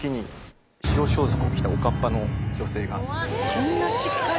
そんなしっかり？